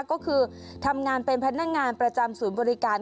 ก็คือทำงานเป็นพนักงานประจำศูนย์บริการ